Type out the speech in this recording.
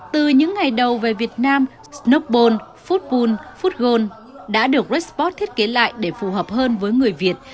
từ những ngày đầu về việt nam snowball football football đã được redsport thiết kế lại để phù hợp hơn với người việt